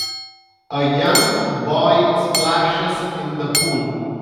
A young boy splashes in the pool.